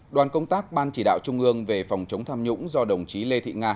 đoàn công tác ban chỉ đạo trung ương về phòng chống tham nhũng do đồng chí lê thị nga